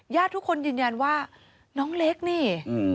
ทุกคนยืนยันว่าน้องเล็กนี่